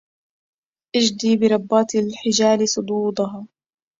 أجد بربات الحجال صدودها